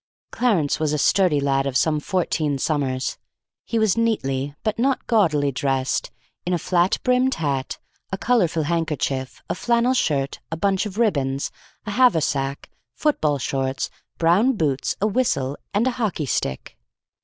Clarence was a sturdy lad of some fourteen summers. He was neatly, but not gaudily, dressed in a flat brimmed hat, a coloured handkerchief, a flannel shirt, a bunch of ribbons, a haversack, football shorts, brown boots, a whistle, and a hockey stick.